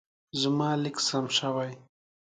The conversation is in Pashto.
زما لیک سم شوی.